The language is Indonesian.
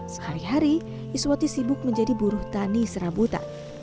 sehari hari iswati sibuk menjadi buruh tani serabutan